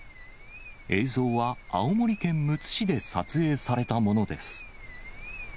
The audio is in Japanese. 映像は青森県むつ市で撮影されたものです。